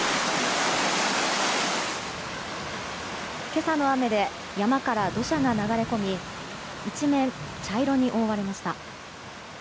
今朝の雨で山から土砂が流れ込み一面、茶色に覆われました。